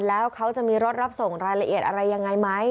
แล้วเขาจะมีรถรับส่งรายละเอียดอะไรยังไงไหม